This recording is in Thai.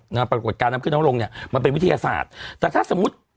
ปรากฏการณ์ขึ้นน้ำลงเนี้ยมันเป็นวิทยาศาสตร์แต่ถ้าสมมุติ